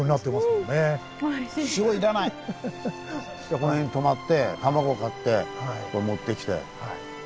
この辺に泊まって卵買ってここへ持ってきて。